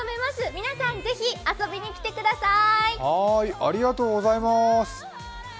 皆さん、ぜひ遊びにきてください。